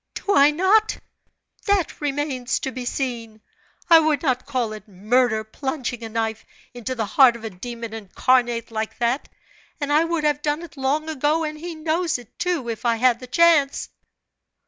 "Do I not? That remains to be seen! I would not call it murder plunging a knife into the heart of a demon incarnate like that, and I would have done it long ago and he knows it, too, if I had the chance!"